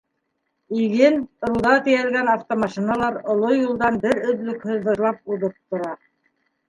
Иген, руда тейәлгән автомашиналар оло юлдан бер өҙлөкһөҙ выжлап уҙып тора.